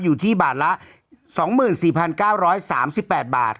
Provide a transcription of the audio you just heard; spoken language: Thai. อยู่ที่บาทละ๒๔๙๓๘บาท